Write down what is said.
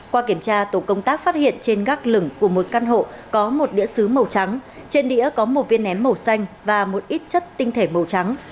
qua kiểm tra tổ công tác phát hiện trên gác lửng của một căn hộ có một đĩa xứ màu trắng trên đĩa có một viên ném màu xanh và một ít chất tinh thể màu trắng